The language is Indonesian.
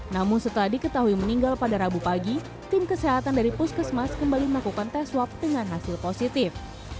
namun setelah diketahui meninggal pada rabu pagi tim kesehatan dari puskesmas kembali melakukan tes swab dengan hasil positif